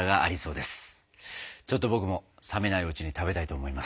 ちょっと僕も冷めないうちに食べたいと思います！